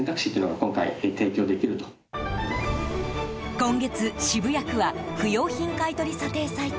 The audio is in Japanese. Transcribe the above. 今月、渋谷区は不用品買い取り査定サイト